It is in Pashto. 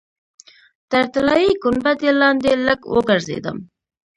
تر طلایي ګنبدې لاندې لږ وګرځېدم.